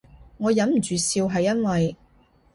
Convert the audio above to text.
我忍唔住笑係因為